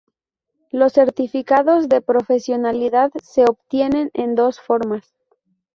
Los certificados de profesionalidad se obtienen de dos formas.